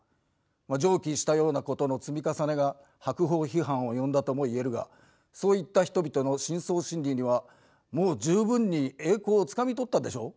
上記したようなことの積み重ねが白鵬批判を呼んだとも言えるがそういった人々の深層心理には「もう十分に栄光をつかみ取ったでしょう？